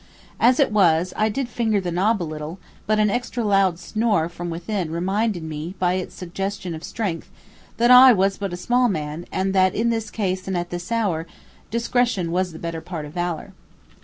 As it was I did finger the knob a little, but an extra loud snore from within reminded me by its suggestion of strength that I was but a small man and that in this case and at this hour, discretion was the better part of valor.